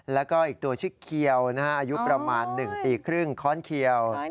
แล้วก็อีกตัวชื่อเขียวอายุประมาณ๑ปีครึ่งค้อนเขียว